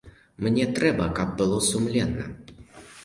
Мне трэба, каб было сумленна.